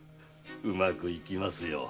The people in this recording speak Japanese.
うまくいきますよ。